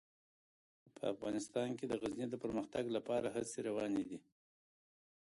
په افغانستان کې د غزني د پرمختګ لپاره هڅې روانې دي.